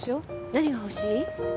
何が欲しい？